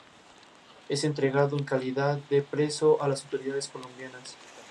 Realiza un llamado a muchachos desorientados y que amen el fútbol.